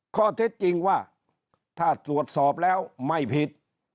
ข้อเท็จจริงว่าถ้าตรวจสอบแล้วไม่ผิด